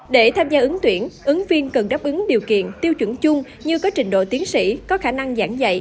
để tham gia ứng tuyển ứng viên cần đáp ứng điều kiện tiêu chuẩn chung như có trình độ tiến sĩ có khả năng giảng dạy